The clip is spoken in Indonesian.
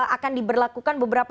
akan diberlakukan beberapa